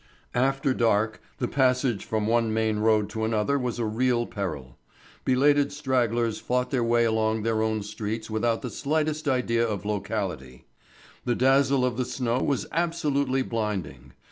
After dark, the passage from one main road to another was a real peril. Belated stragglers fought their way along their own streets without the slightest idea of locality, the dazzle of the snow was absolutely blinding.